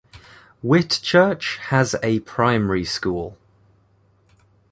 Whitchurch has a primary school.